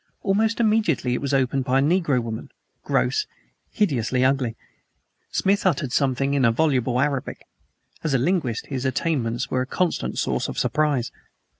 Almost immediately it was opened by a negro woman gross, hideously ugly. Smith uttered something in voluble Arabic. As a linguist his attainments were a constant source of surprise.